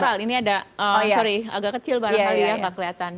wow ini ada sorry agak kecil barangkali ya nggak kelihatan